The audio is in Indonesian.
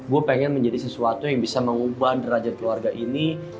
gue pengen menjadi sesuatu yang bisa mengubah derajat keluarga ini